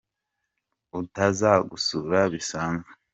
Utazagusura bisanzwe